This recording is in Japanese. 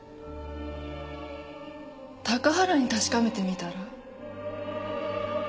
高原に確かめてみたら？